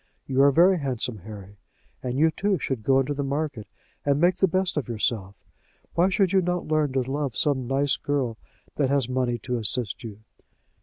You are very handsome, Harry, and you, too, should go into the market and make the best of yourself. Why should you not learn to love some nice girl that has money to assist you?"